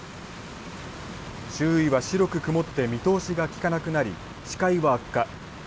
周囲は白く曇って見通しが利かなくなり、視界は悪化。